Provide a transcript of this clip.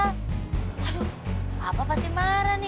aduh apa pasti marah nih